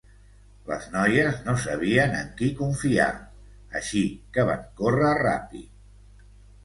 Les noies no sabien en qui confiar, així que van córrer ràpid.